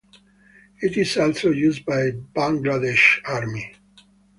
It is also used by Bangladesh Army.